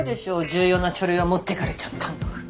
重要な書類は持ってかれちゃったんだから。